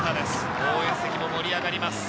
応援席も盛り上がります。